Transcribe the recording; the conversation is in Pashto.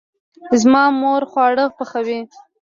زما مور خواړه پخوي